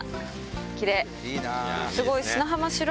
きれい。